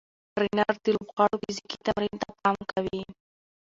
ټرېنر د لوبغاړو فزیکي تمرین ته پام کوي.